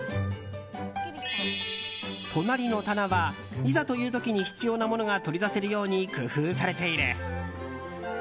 隣の棚はいざという時に必要なものが取り出せるように工夫されている。